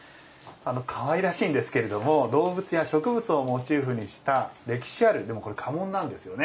かわいらしいんですが動物や植物をモチーフにした歴史ある家紋なんですよね。